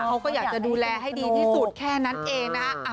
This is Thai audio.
เขาก็อยากจะดูแลให้ดีที่สุดแค่นั้นเองนะฮะ